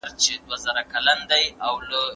خاوند باید د ښځې عزت او کرامت وساتي.